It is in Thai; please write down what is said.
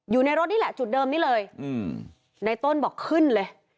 อยู่ในรถนี่แหละจุดเดิมนี้เลยในต้นบอกขึ้นเลย